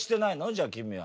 じゃあ君は。